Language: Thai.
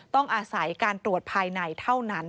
ต้องอาศัยการตรวจภายในเท่านั้น